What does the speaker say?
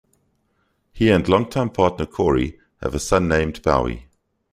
He and longtime partner Cory have a son named Bowie.